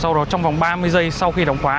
sau đó trong vòng ba mươi giây sau khi đóng khóa